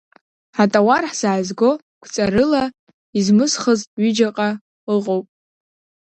Атауар ҳзаазго қәҵарыла измысхыз ҩыџьаҟа ыҟоуп.